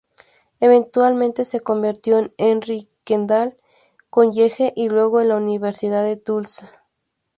Eventualmente se convirtió en Henry Kendall College y luego en la Universidad de Tulsa.